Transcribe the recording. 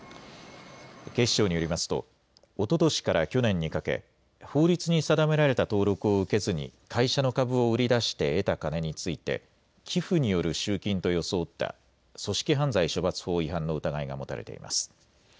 警視庁によりますとおととしから去年にかけ法律に定められた登録を受けずに会社の株を売り出して得た金について寄付による集金と装った組織犯罪処罰法違反の疑いが持たれています。